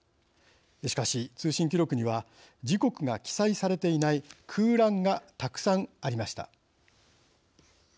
しかし、通信記録には時刻が記載されていない空欄がたくさんありました。